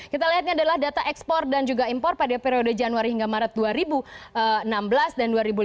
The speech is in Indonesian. kita lihatnya adalah data ekspor dan juga impor pada periode januari hingga maret dua ribu enam belas dan dua ribu lima belas